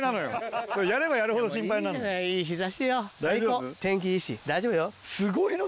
最高天気いいし大丈夫よ。